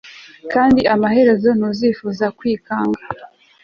kandi amaherezo, ntuzifuza kwikanga